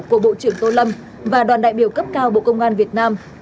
của bộ trưởng tô lâm và đoàn đại biểu cấp cao bộ công an việt nam